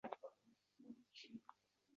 Soʻngra biz tomonga kela boshladi